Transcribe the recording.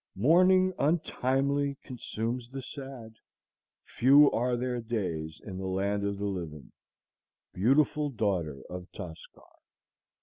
— "Mourning untimely consumes the sad; Few are their days in the land of the living, Beautiful daughter of Toscar."